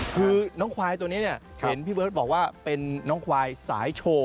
คือน้องควายตัวนี้เนี่ยเห็นพี่เบิร์ตบอกว่าเป็นน้องควายสายโชว์